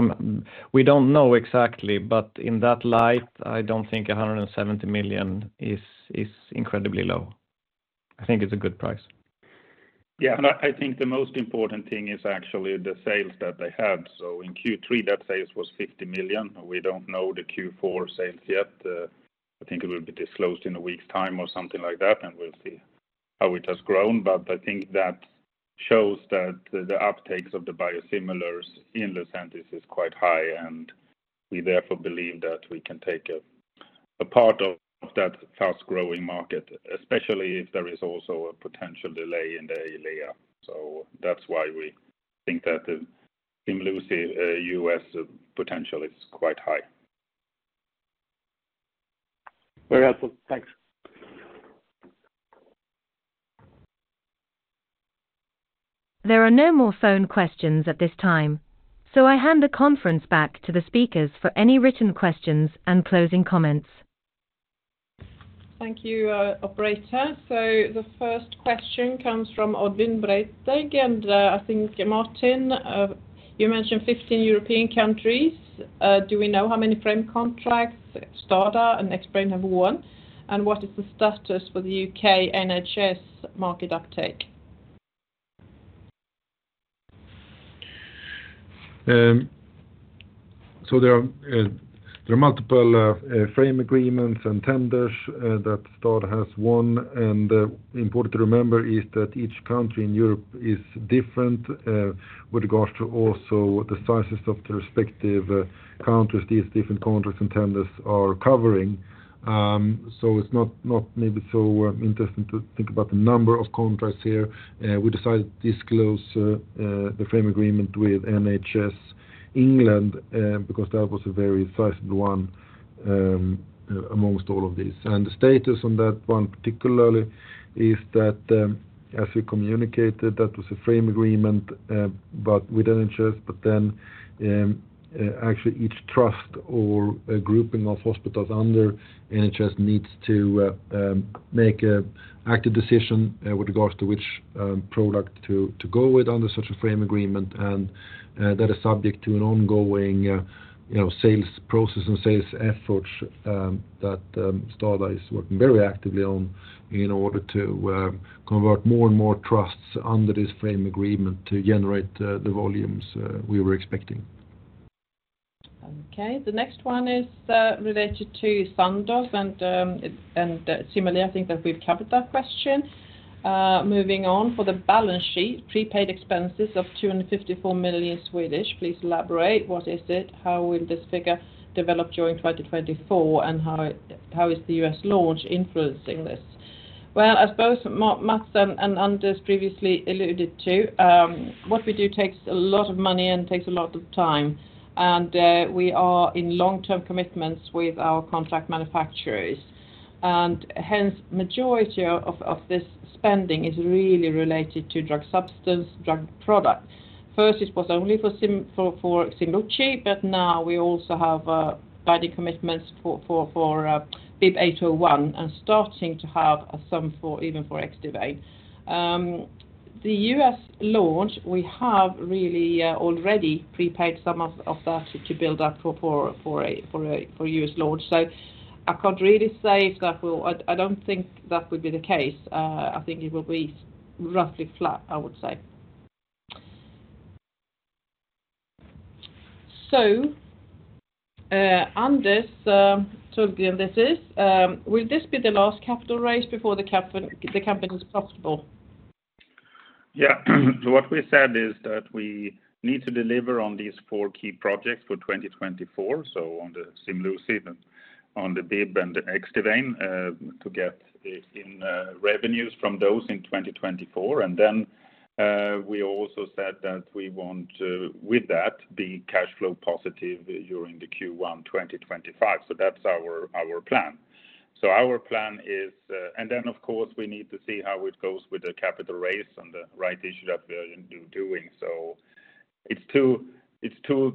we don't know exactly. But in that light, I don't think 170 million is incredibly low. I think it's a good price. Yeah. And I think the most important thing is actually the sales that they had. So in Q3, that sales was 50 million. We don't know the Q4 sales yet. I think it will be disclosed in a week's time or something like that, and we'll see how it has grown. But I think that shows that the uptakes of the biosimilars in Lucentis is quite high. We therefore believe that we can take a part of that fast-growing market, especially if there is also a potential delay in the Eylea. So that's why we think that the Ximluci U.S. potential is quite high. Very helpful. Thanks. There are no more phone questions at this time, so I hand the conference back to the speakers for any written questions and closing comments. Thank you, operator. So the first question comes from Oddvin Breiteig. And I think, Martin, you mentioned 15 European countries. Do we know how many frame contracts STADA and Xbrane have won? And what is the status for the UK NHS market uptake? So there are multiple frame agreements and tenders that STADA has won. Important to remember is that each country in Europe is different with regards to also the sizes of the respective countries these different contracts and tenders are covering. It's not maybe so interesting to think about the number of contracts here. We decided to disclose the frame agreement with NHS England because that was a very sizable one amongst all of these. The status on that one particularly is that, as we communicated, that was a frame agreement with NHS. Then actually, each trust or grouping of hospitals under NHS needs to make an active decision with regards to which product to go with under such a frame agreement. That is subject to an ongoing sales process and sales efforts that STADA is working very actively on in order to convert more and more trusts under this frame agreement to generate the volumes we were expecting. Okay. The next one is related to Sandoz. And similarly, I think that we've covered that question. Moving on, for the balance sheet, prepaid expenses of 254 million. Please elaborate. What is it? How will this figure develop during 2024? And how is the U.S. launch influencing this? Well, as both Mats and Anders previously alluded to, what we do takes a lot of money and takes a lot of time. And we are in long-term commitments with our contract manufacturers. And hence, the majority of this spending is really related to drug substance, drug product. First, it was only for Ximluci, but now we also have binding commitments for BIIB801 and starting to have some even for Xdivane. The U.S. launch, we have really already prepaid some of that to build up for U.S. launch. So I can't really say if that will. I don't think that will be the case. I think it will be roughly flat, I would say. So Anders Tullgren, this is. Will this be the last capital raise before the company is profitable? Yeah. So what we said is that we need to deliver on these four key projects for 2024, so on the Ximluci, on the BIIB801, and the Xdivane, to get in revenues from those in 2024. And then we also said that we want, with that, to be cash flow positive during the Q1 2025. So that's our plan. Our plan is, and then, of course, we need to see how it goes with the capital raise and the rights issue that we are doing. It's too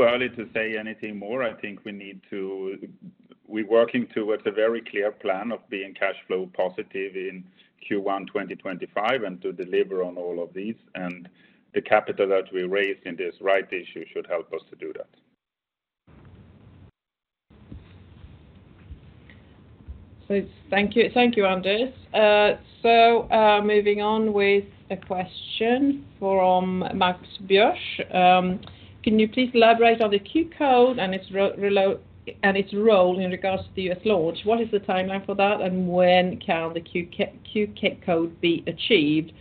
early to say anything more. I think we're working towards a very clear plan of being cash flow positive in Q1 2025 and to deliver on all of these. The capital that we raise in this rights issue should help us to do that. Thank you. Thank you, Anders. Moving on with a question from Mats Björs. Can you please elaborate on the Q-code and its role in regards to the U.S. launch? What is the timeline for that, and when can the Q-code be achieved?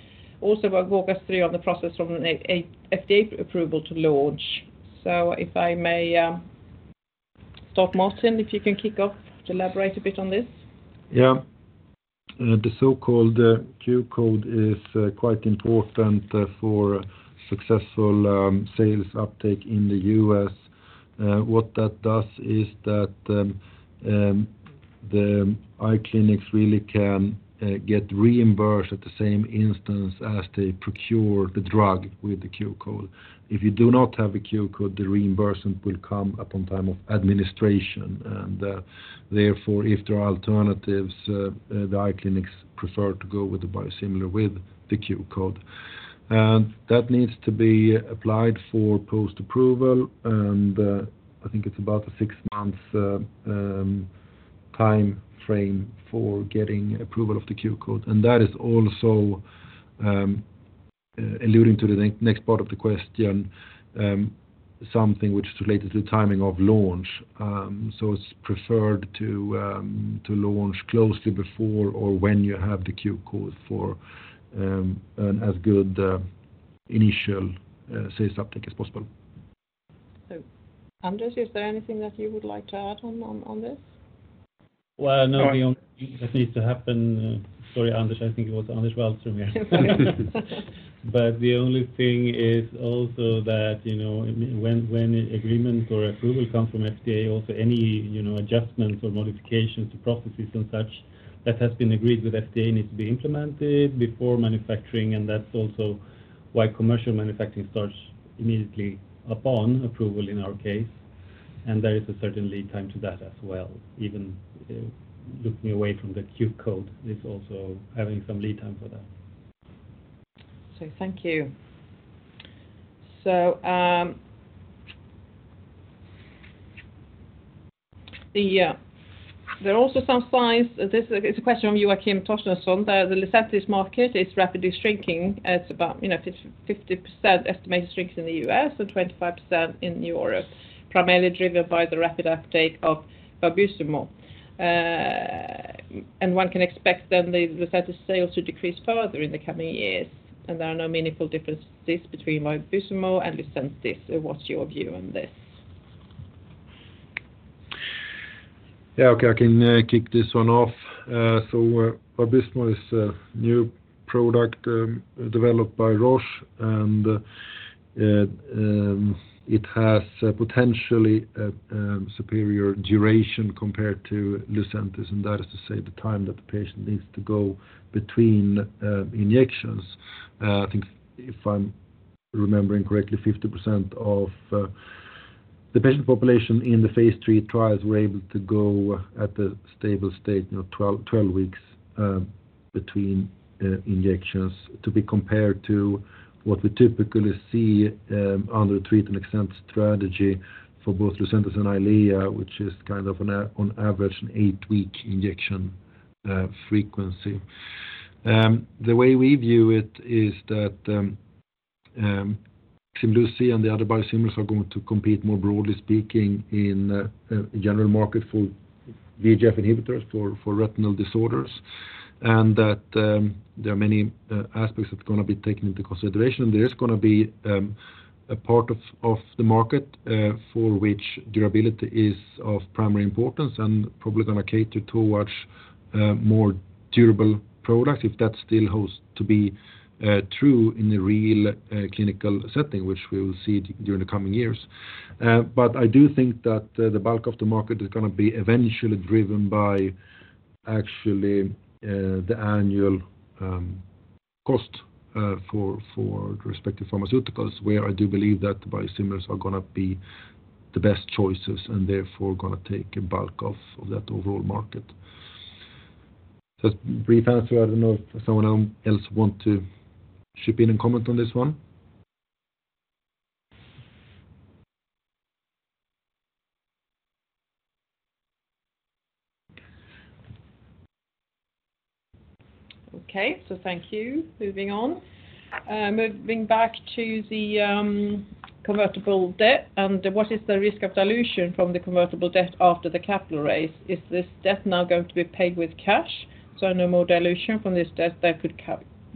Also, walk us through on the process from the FDA approval to launch? So if I may start, Martin, if you can kick off to elaborate a bit on this. Yeah. The so-called Q-code is quite important for successful sales uptake in the U.S. What that does is that the eye clinics really can get reimbursed at the same instance as they procure the drug with the Q-code. If you do not have the Q-code, the reimbursement will come upon time of administration. And therefore, if there are alternatives, the eye clinics prefer to go with the biosimilar with the Q-code. And that needs to be applied for post-approval. And I think it's about a 6-month time frame for getting approval of the Q-code. And that is also alluding to the next part of the question, something which is related to the timing of launch. So it's preferred to launch closely before or when you have the Q-code for as good initial sales uptake as possible. So Anders, is there anything that you would like to add on this? Well, no. The only thing that needs to happen, sorry, Anders. I think it was Anders Wallström here. But the only thing is also that when an agreement or approval comes from FDA, also, any adjustments or modifications to processes and such, that has been agreed with FDA needs to be implemented before manufacturing. And that's also why commercial manufacturing starts immediately upon approval in our case. And there is a certain lead time to that as well. Even looking away from the Q-code, it's also having some lead time for that. So thank you. So there are also some signs. It's a question from Joakim Torstensson. The Lucentis market is rapidly shrinking. It's about 50% estimated shrinkage in the U.S. and 25% in Europe, primarily driven by the rapid uptake of Vabysmo. And one can expect then the Lucentis sales to decrease further in the coming years. And there are no meaningful differences between Vabysmo and Lucentis. What's your view on this? Yeah. Okay. I can kick this one off. So Vabysmo is a new product developed by Roche. And it has potentially a superior duration compared to Lucentis. And that is to say the time that the patient needs to go between injections. I think, if I'm remembering correctly, 50% of the patient population in the phase three trials were able to go at the stable state 12 weeks between injections to be compared to what we typically see under a treat and extend strategy for both Lucentis and Eylea, which is kind of, on average, an eight-week injection frequency. The way we view it is that Ximluci and the other biosimilars are going to compete, more broadly speaking, in a general market for VEGF inhibitors for retinal disorders and that there are many aspects that are going to be taken into consideration. And there is going to be a part of the market for which durability is of primary importance and probably going to cater towards more durable products if that still holds to be true in the real clinical setting, which we will see during the coming years. But I do think that the bulk of the market is going to be eventually driven by, actually, the annual cost for the respective pharmaceuticals, where I do believe that the biosimilars are going to be the best choices and therefore going to take a bulk of that overall market. That's a brief answer. I don't know if someone else wants to chip in and comment on this one. Okay. So thank you. Moving on. Moving back to the convertible debt. What is the risk of dilution from the convertible debt after the capital raise? Is this debt now going to be paid with cash? So no more dilution from this debt that could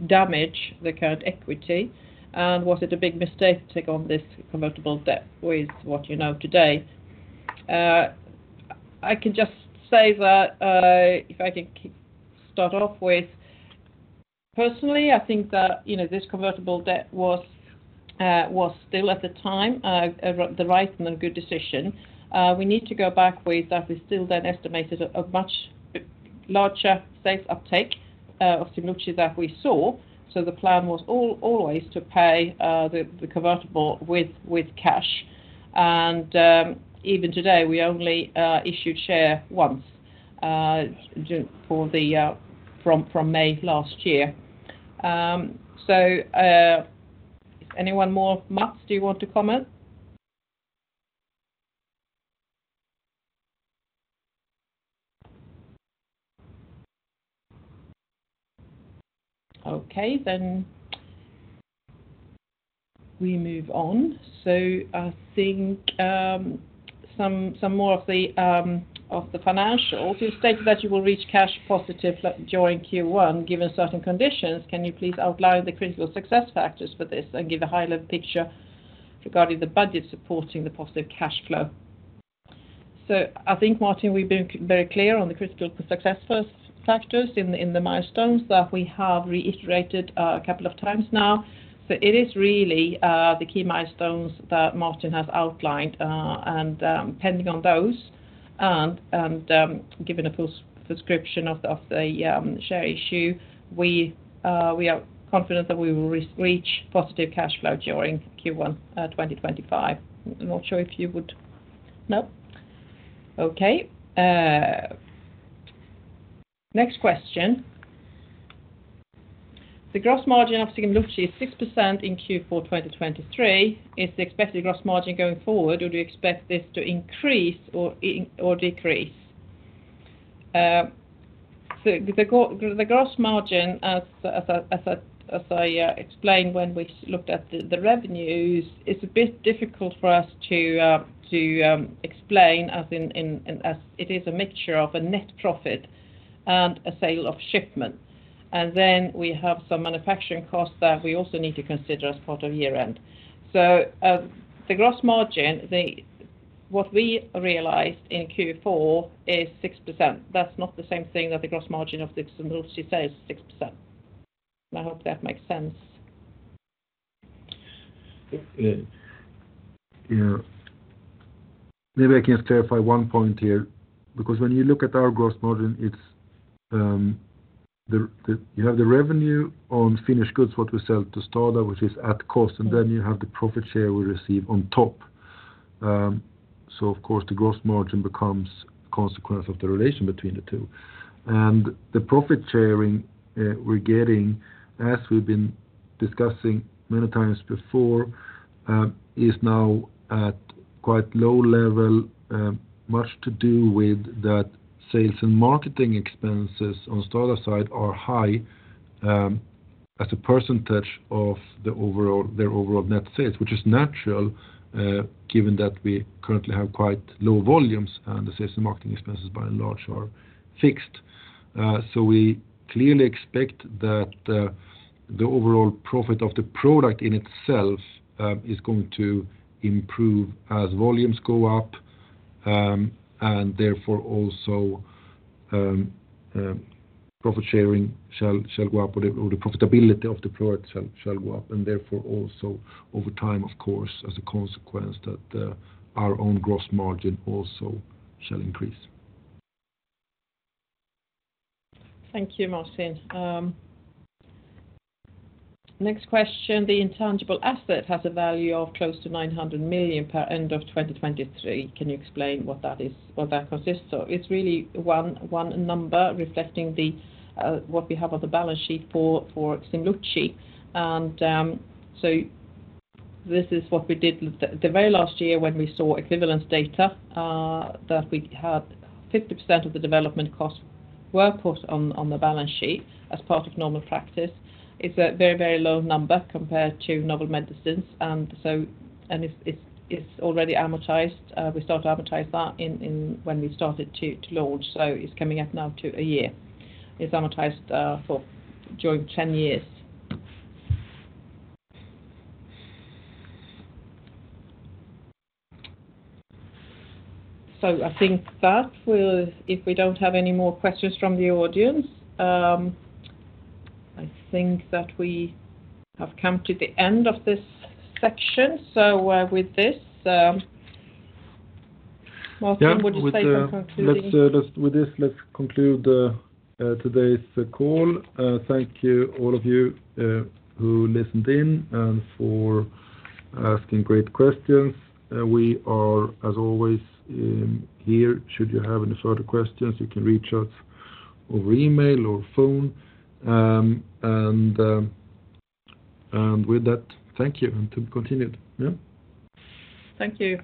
damage the current equity. And was it a big mistake to take on this convertible debt with what you know today? I can just say that if I can start off with, personally, I think that this convertible debt was still, at the time, the right and a good decision. We need to go back with that we still then estimated a much larger sales uptake of Ximluci that we saw. So the plan was always to pay the convertible with cash. And even today, we only issued share once from May last year. So is anyone more? Mats, do you want to comment? Okay. Then we move on. So I think some more of the financials. You stated that you will reach cash positive during Q1 given certain conditions. Can you please outline the critical success factors for this and give a high-level picture regarding the budget supporting the positive cash flow? So I think, Martin, we've been very clear on the critical success factors in the milestones that we have reiterated a couple of times now. So it is really the key milestones that Martin has outlined. And depending on those and given a full subscription of the share issue, we are confident that we will reach positive cash flow during Q1 2025. I'm not sure if you would know? Okay. Next question. The gross margin of Ximluci is 6% in Q4 2023. Is the expected gross margin going forward? Or do you expect this to increase or decrease? So the gross margin, as I explained when we looked at the revenues, is a bit difficult for us to explain as it is a mixture of a net profit and a sale of shipment. Then we have some manufacturing costs that we also need to consider as part of year-end. So the gross margin, what we realized in Q4 is 6%. That's not the same thing that the gross margin of the Ximluci sales is 6%. And I hope that makes sense. Maybe I can clarify one point here because when you look at our gross margin, you have the revenue on finished goods, what we sell to STADA, which is at cost. And then you have the profit share we receive on top. So, of course, the gross margin becomes a consequence of the relation between the two. And the profit sharing we're getting, as we've been discussing many times before, is now at quite low level, much to do with that sales and marketing expenses on STADA's side are high as a percentage of their overall net sales, which is natural given that we currently have quite low volumes and the sales and marketing expenses, by and large, are fixed. So we clearly expect that the overall profit of the product in itself is going to improve as volumes go up. And therefore, also, profit sharing shall go up, or the profitability of the product shall go up. And therefore, also, over time, of course, as a consequence, that our own gross margin also shall increase. Thank you, Martin. Next question. The intangible asset has a value of close to 900 million per end of 2023. Can you explain what that consists of? It's really one number reflecting what we have on the balance sheet for Ximluci. So this is what we did the very last year when we saw equivalence data that we had 50% of the development costs were put on the balance sheet as part of normal practice. It's a very, very low number compared to novel medicines. And it's already amortized. We started to amortize that when we started to launch. So it's coming up now to a year. It's amortized for 10 years. So I think that if we don't have any more questions from the audience, I think that we have come to the end of this section. So with this, Martin, would you say some concluding? With this, let's conclude today's call. Thank you, all of you, who listened in and for asking great questions. We are, as always, here. Should you have any further questions, you can reach us over email or phone. With that, thank you and to be continued. Yeah? Thank you.